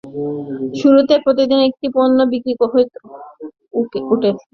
শুরুতে প্রতিদিন একটি পণ্য বিক্রি হতো উটে।